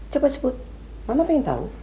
coba sebut mama pengen tahu